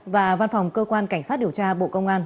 và văn phòng cơ quan cảnh sát điều tra bộ công an